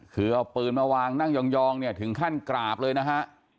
คือเอาปืนมาวางนั่งยองเนี่ยถึงขั้นกราบเลยนะฮะ